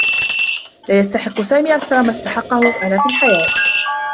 لا يستحقّ سامي أكثر ممّا أستحقّه أنا في الحياة.